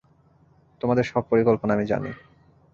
তোমাদের সব পরিকল্পনা আমি জানি।